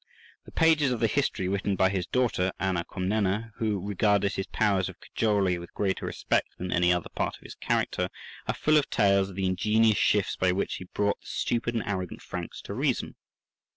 The pages of the history written by his daughter, Anna Comnena, who regarded his powers of cajolery with greater respect than any other part of his character, are full of tales of the ingenious shifts by which he brought the stupid and arrogant Franks to reason.